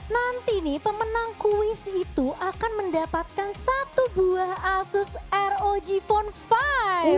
nanti nih pemenang kuis itu akan mendapatkan satu buah asus rog phone lima